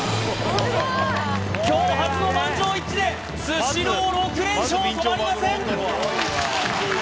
今日初の満場一致でスシロー６連勝止まりません